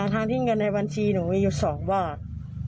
ทั้งที่เงินในบัญชีหนูมีอยู่๒บาท